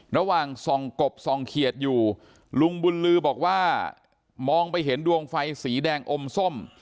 ระหว่างส่องกบส่องเขียดอยู่ลุงบุญลือบอกว่ามองไปเห็นดวงไฟสีแดงอมส้ม